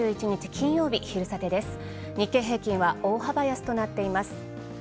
日経平均は大幅安となっています。